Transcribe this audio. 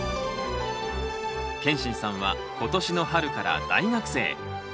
けんしんさんは今年の春から大学生。